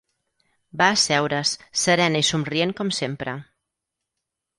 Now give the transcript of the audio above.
Va asseure's, serena i somrient com sempre